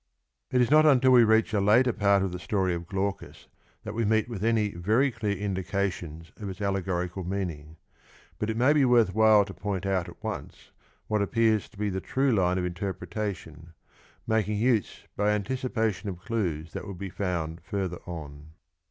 It is not until we reach a later part of the story of Glaucus that we meet with any very clear indications of its allegorical meaning, but it may be worth while to point out at once what appears to be the true line of interpreta tion, making use by anticipation of clues that will be found further on.